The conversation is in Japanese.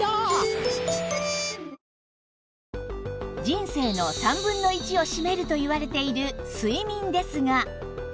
人生の３分の１を占めるといわれている睡眠ですが